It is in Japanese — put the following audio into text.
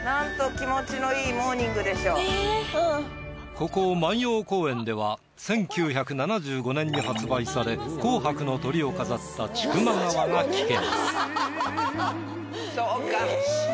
ここ万葉公園では１９７５年に発売され「紅白」のトリを飾った『千曲川』が聴けます。